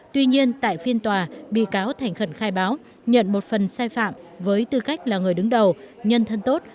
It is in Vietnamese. tuy nhiên tại phiên tòa bị cáo thành khẩn khai báo nhận một phần sai phạm với tư cách là người đứng đầu nhân thân tốt